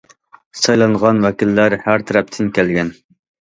سايلانغان ۋەكىللەر ھەر تەرەپتىن كەلگەن.